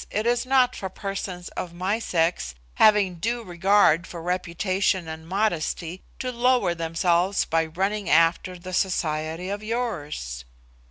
It is not for persons of my sex, having due regard for reputation and modesty, to lower themselves by running after the society of yours."